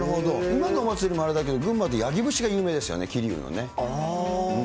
今のお祭りもあれだけど、群馬で、やぎ節が有名でしたよね、桐生のね。